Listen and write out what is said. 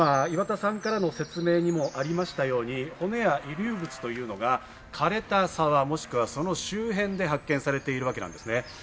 今、岩田さんからの説明にもありましたように、骨や遺留物というのが、枯れた沢もしくはその周辺で発見されているわけなんですね。